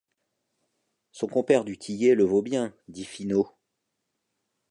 Son compère du Tillet le vaut bien, dit Finot.